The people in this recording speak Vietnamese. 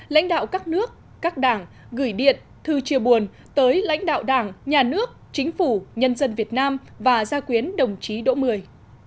lãnh đạo các nước các đảng gửi điện thư chia buồn tới lãnh đạo đảng nhà nước chính phủ nhân dân việt nam và gia quyến đồng chí đỗ mười